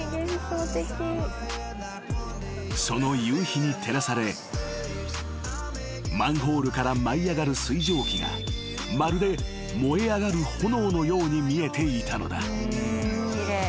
［その夕日に照らされマンホールから舞い上がる水蒸気がまるで燃え上がる炎のように見えていたのだ］